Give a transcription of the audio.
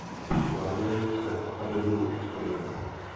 Plánuje se stavební expanze.